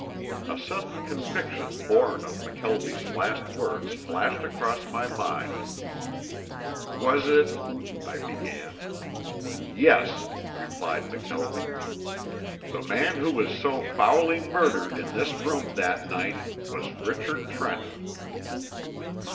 A sudden conviction borne of McKelvie's last words flashed across my mind. "Was it ?" I began. "Yes," replied McKelvie, "the man who was so foully murdered in this room that night was Richard Trenton!"